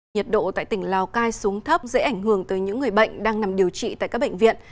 nhiệt độ tại tỉnh lào cai xuống thấp dễ ảnh hưởng tới những người bệnh đang nằm điều trị tại các bệnh viện